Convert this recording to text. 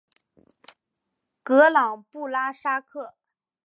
格朗布拉萨克。